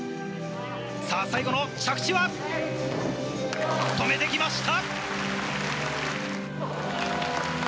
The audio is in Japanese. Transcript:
最後の着地は止めてきました。